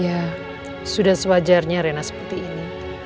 ya sudah sewajarnya arena seperti ini